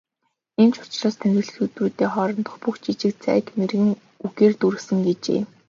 "Ийм ч учраас тэмдэглэлт өдрүүдийн хоорондох бүх жижиг зайг мэргэн үгээр дүүргэсэн" гэжээ.